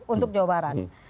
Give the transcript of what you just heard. untuk jawa barat